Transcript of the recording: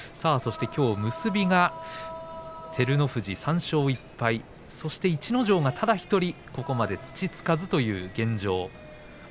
きょう結びは照ノ富士３勝１敗そして逸ノ城がただ１人ここまで土つかずという現状